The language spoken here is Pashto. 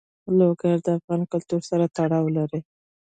لوگر د افغان کلتور سره تړاو لري.